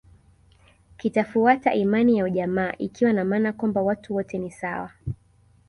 Kitafuata imani ya ujamaa ikiwa na maana kwamba watu wote ni sawa